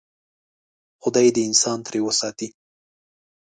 خدای دې انسان ترې وساتي.